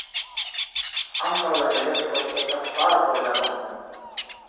Ankaŭ la dialektoj estas parto de la normo.